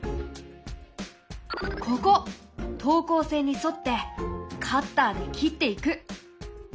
ここ等高線に沿ってカッターで切っていく！